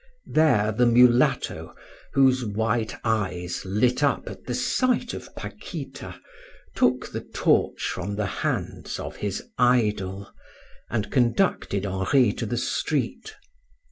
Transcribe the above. There the mulatto, whose white eyes lit up at the sight of Paquita, took the torch from the hands of his idol, and conducted Henri to the street.